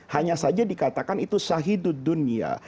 hanya saja dikatakan itu syahidut dunia